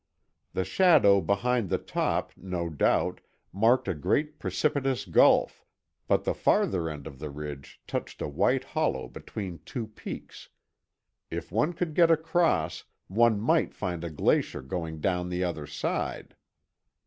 The shadow behind the top, no doubt, marked a great precipitous gulf, but the farther end of the ridge touched a white hollow between two peaks. If one could get across, one might find a glacier going down the other side.